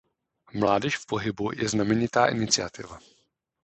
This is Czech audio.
Mládež v pohybu je znamenitá iniciativa.